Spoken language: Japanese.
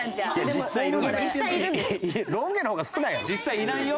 実際いないよ。